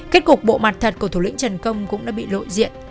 kết cục bộ mặt thật của thủ lĩnh trần công cũng đã bị lội diện